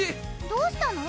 どうしたの？